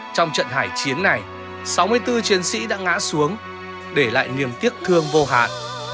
trong trận hải chiến này sáu mươi bốn chiến sĩ đã ngã xuống để lại niềm tiếc thương vô hạn